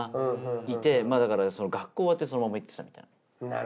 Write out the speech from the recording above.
いてまあだから学校終わってそのまま行ってたみたいな。